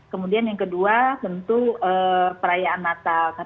kemudian yang kedua tentu perayaan natal